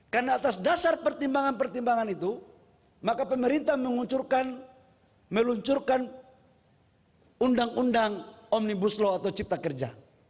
karena atas dasar pertimbangan pertimbangan itu maka pemerintah meluncurkan undang undang omnibus law atau cipta kerja